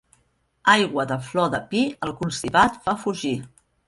Aigua de flor de pi, el constipat fa fugir.